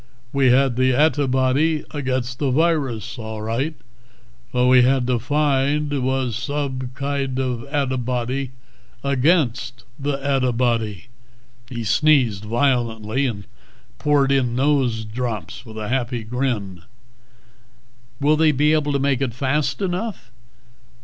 We had the adtibody agaidst the virus, all ridght; what we had to find was sobe kide of adtibody agaidst the adtibody." He sneezed violently, and poured in nose drops with a happy grin. "Will they be able to make it fast enough?"